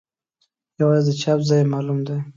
یوازې د چاپ ځای یې معلوم دی.